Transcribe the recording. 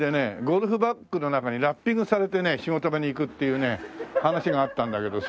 ゴルフバッグの中にラッピングされて仕事場に行くっていうね話があったんだけど